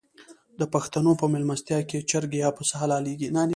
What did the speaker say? د پښتنو په میلمستیا کې چرګ یا پسه حلاليږي.